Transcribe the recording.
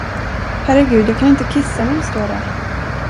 Herregud, jag kan inte kissa när du står där.